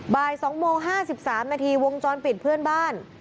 บ่าย๒โมง๕๓นาทีวงจรปิดเพื่อนบ้าน